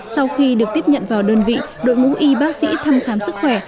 sau khi được tiếp nhận vào đơn vị đội ngũ y bác sĩ thăm khám sức khỏe